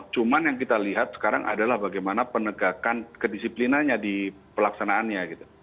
cuma yang kita lihat sekarang adalah bagaimana penegakan kedisiplinannya di pelaksanaannya gitu